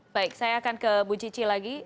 baik saya akan ke bu cici lagi